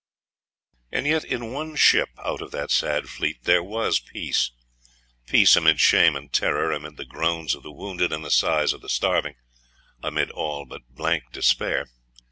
And yet in one ship out of that sad fleet, there was peace; peace amid shame and terror; amid the groans of the wounded, and the sighs of the starving; amid all but blank despair.